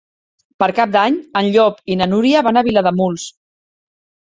Per Cap d'Any en Llop i na Núria van a Vilademuls.